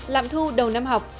lạm thu đầu năm học